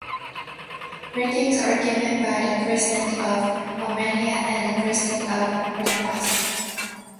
Greetings are given by the President of Armenia and the President of Artsakh.